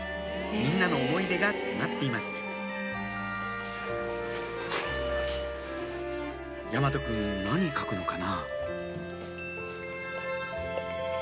みんなの思い出が詰まっています大和くん何描くのかな？